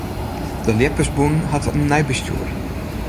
De ljeppersbûn hat in nij bestjoer.